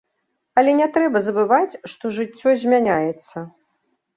Але не трэба забываць, што жыццё змяняецца.